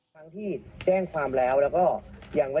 เอาให้กับพนักงานสอบสวนนี่